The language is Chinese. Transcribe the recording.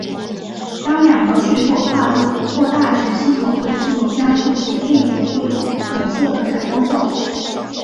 当两个水果跨度过大时系统会自动加速且背景会有红色的闪光效果。